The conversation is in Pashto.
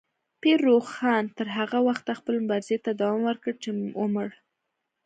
پیر روښان تر هغه وخته خپلې مبارزې ته دوام ورکړ چې ومړ.